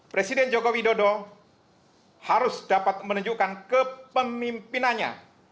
presiden joko widodo harus dapat menunjukkan ke pemimpinannya